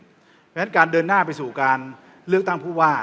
เพราะฉะนั้นการเดินหน้าไปสู่การเลือกตั้งผู้ว่า